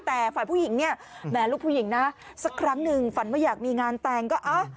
แต่ฝ่ายผู้หญิงเนี่ยแหมลูกผู้หญิงนะสักครั้งหนึ่งฝันว่าอยากมีงานแต่งก็อ่ะ